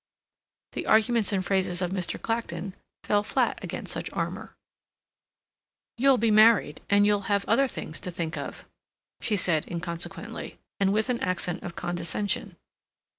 The arguments and phrases of Mr. Clacton fell flat against such armor. "You'll be married, and you'll have other things to think of," she said inconsequently, and with an accent of condescension.